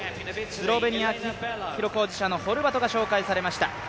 スロベニア記録保持者のホルバトが紹介されました。